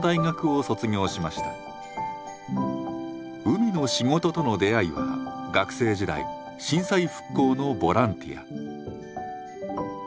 海の仕事との出会いは学生時代震災復興のボランティア。